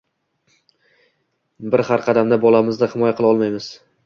Bir har qadamda bolamizni himoya qila olmaymiz